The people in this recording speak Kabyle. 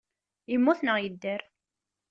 Yemmut neɣ yedder?